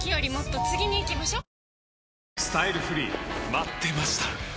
待ってました！